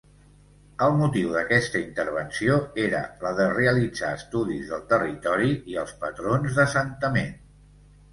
El motiu d'aquesta intervenció era la de realitzar estudis del territori i els patrons d'assentament.